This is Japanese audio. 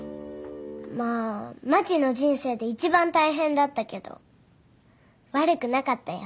まあまちの人生で一番大変だったけど悪くなかったよ。